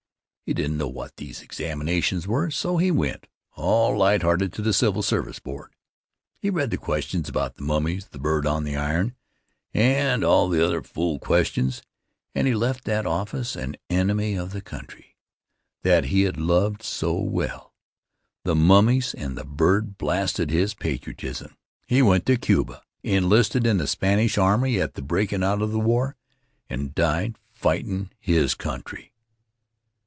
He didn't know what these examinations were, so he went, all lighthearted, to the Civil Service Board. He read the questions about the mummies, the bird on the iron, and all the other fool questions and he left that office an enemy of the country that he had loved so well. The mummies and the bird blasted his patriotism. He went to Cuba, enlisted in the Spanish army at the breakin' out of the war, and died fightin' his country.